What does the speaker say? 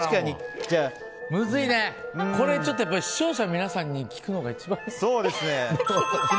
これ、ちょっと視聴者の皆さんに聞くのが一番な。